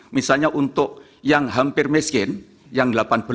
misalnya untuk yang hampir miskin yang